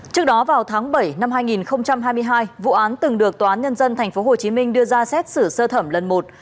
trước đó vào tháng bảy năm hai nghìn hai mươi hai vụ án từng được tnthhm đưa ra xét xử sơ thẩm lần một